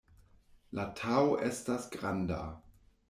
La Tao estas granda.